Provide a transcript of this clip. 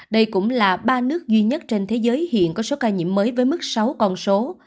đây cũng là ba nước duy nhất trên thế giới hiện có số ca nhiễm mới với mức sáu con số